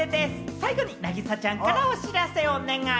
最後に凪咲ちゃんからお知らせをお願い！